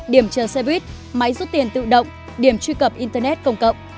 điểm chờ xe buýt máy rút tiền tự động điểm truy cập internet công cộng